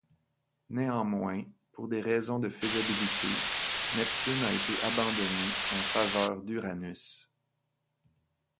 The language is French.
Néanmoins, pour des raisons de faisabilité, Neptune a été abandonné en faveur d'Uranus.